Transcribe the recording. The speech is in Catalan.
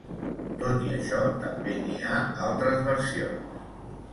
Tot i això també n'hi ha altres versions.